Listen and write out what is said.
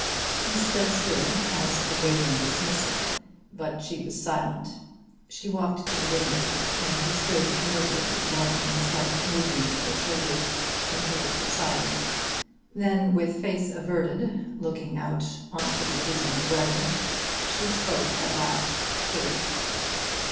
He still stood as awaiting dismissal; but she was silent. She walked to the window, and he stood miserably watching the slight movement of her shoulders until it subsided. Then with face averted, looking out on the dismal weather, she spoke at last clearly.